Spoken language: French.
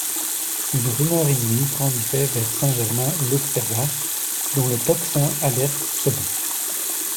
Une rumeur inouïe grandissait vers Saint-Germain-l'Auxerrois, dont le tocsin, alerte, sonnait.